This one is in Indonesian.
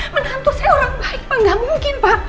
menantu saya orang baik pak gak mungkin pak